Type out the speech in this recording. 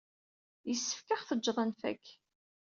Yessefk ad aɣ-tejjed ad nfak.